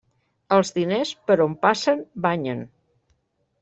Els diners, per on passen, banyen.